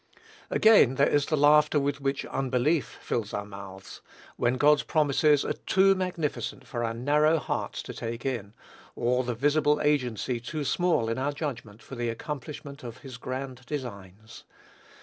Again, there is the laughter with which unbelief fills our mouths, when God's promises are too magnificent for our narrow hearts to take in, or the visible agency too small in our judgment for the accomplishment of his grand designs.